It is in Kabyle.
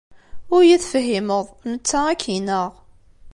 Ur iyi-tefhimeḍ. Netta ad k-ineɣ.